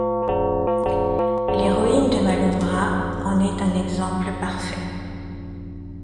L'héroïne de Malombra en est un exemple parfait.